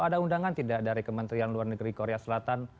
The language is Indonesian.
ada undangan tidak dari kementerian luar negeri korea selatan